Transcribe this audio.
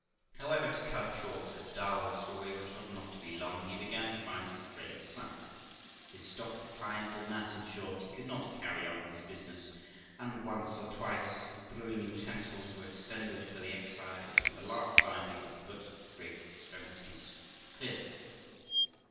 However, to cut short a dull story, which ought not to be long, he began to find his trade sunk, his stock declined, and that, in short, he could not carry on his business, and once or twice his brewing utensils were extended for the excise; and, the last time, he was put to great extremities to clear them.